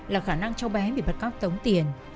là khả năng cháu bé bị bắt cóc tống tiền